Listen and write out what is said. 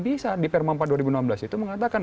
bisa di perma empat dua ribu enam belas itu mengatakan